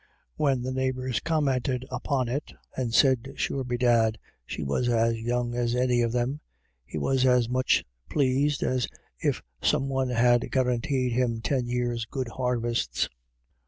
When the neigh bours commented upon it, and said sure, bedad, she was as young as any of them, he was as much pleased as if some one had guaranteed him ten years' good harvests.